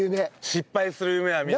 失敗する夢は見る。